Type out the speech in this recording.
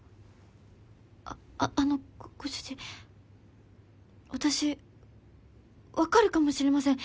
あのご主人私分かるかもしれません。